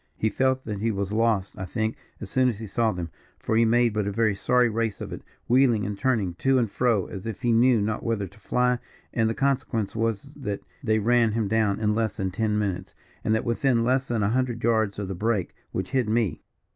He felt that he was lost, I think, as soon as he saw them, for he made but a very sorry race of it, wheeling and turning to and fro, as if he knew not whither to fly, and the consequence was that they ran him down in less than ten minutes, and that within less than a hundred yards of the brake which hid me.